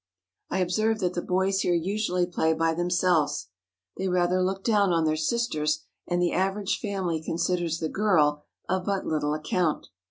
I observe that the boys here usually play by them selves. They rather look down on their sisters, and the average family considers the girl of but little account.